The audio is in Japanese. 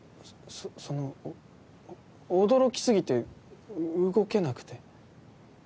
その驚き過ぎてう動けなくて。